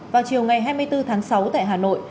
vào chiều ngày hai mươi bốn tháng sáu tại hà nội